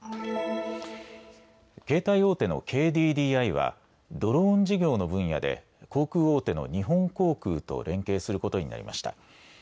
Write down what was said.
携帯大手のＫＤＤＩは、ドローン事業の分野で、航空大手の日本航空と連携することになりました。